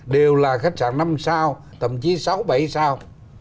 đều là khách sạn năm sao tầm chí sáu bảy sao